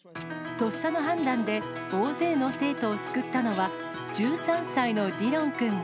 とっさの判断で大勢の生徒を救ったのは、１３歳のディロン君。